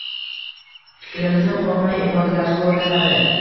Fikrimizni qo‘rqmay ifodalashga o‘rgatadi.